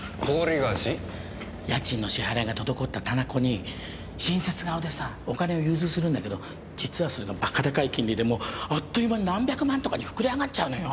家賃の支払いが滞った店子に親切顔でお金を融通するんだけど実はそれがバカでかい金利であっという間に何百万とかに膨れ上がっちゃうのよ。